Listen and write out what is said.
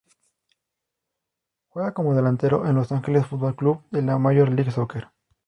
Juega como delantero en Los Angeles Football Club de la Major League Soccer.